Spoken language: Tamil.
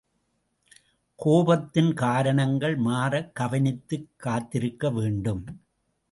கோபத்தின் காரணங்கள் மாறக் கவனித்துக் காத்திருக்க வேண்டும்.